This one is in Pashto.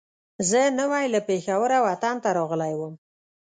زه نوی له پېښوره وطن ته راغلی وم.